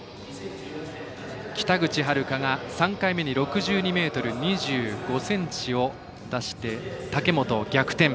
北口榛花が３回目に６２ｍ２５ｃｍを出して武本を逆転。